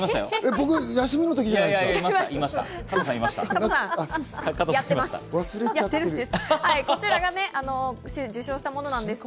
僕、休みの時じゃないですか？